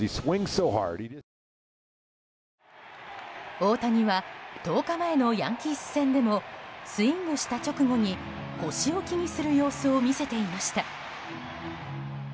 大谷は１０日前のヤンキース戦でもスイングした直後に腰を気にする様子を見せていました。